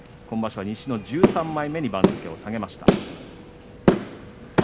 今場所、西の１３枚目に番付を下げました。